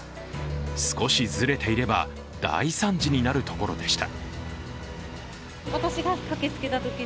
少しずれていれば、大惨事になるところでした。